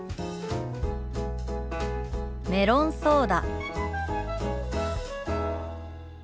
「メロンソーダ」。